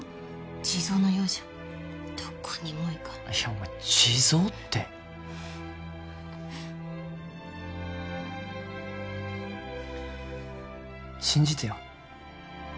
地蔵のようじゃどこにも行かんいやお前地蔵って信じてよ